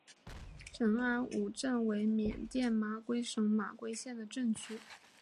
仁安羌镇为缅甸马圭省马圭县的镇区。